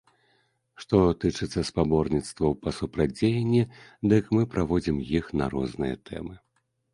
Што тычыцца спаборніцтваў па супрацьдзеянні, дык мы праводзім іх на розныя тэмы.